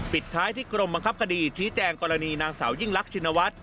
ปิดท้ายที่กรมบังคับคดีชี้แจงกรณีนางสาวยิ่งลักชินวัฒน์